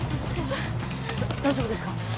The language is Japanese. だ大丈夫ですか？